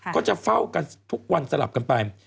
ก็จะเฝ้ากันทุกวันสลับกันไป